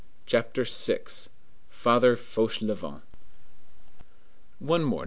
CHAPTER VI—FATHER FAUCHELEVENT One morning M.